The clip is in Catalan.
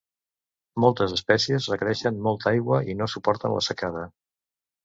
Moltes espècies requereixen molta aigua i no suporten la secada.